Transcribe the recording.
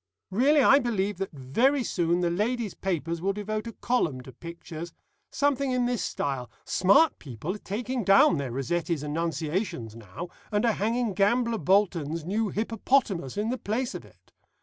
Really I believe that very soon the ladies' papers will devote a column to pictures. Something in this style. 'Smart people are taking down their Rossetti's Annunciations now, and are hanging Gambler Bolton's new Hippopotamus in the place of it.